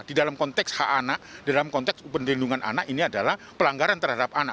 di dalam konteks hak anak dalam konteks perlindungan anak ini adalah pelanggaran terhadap anak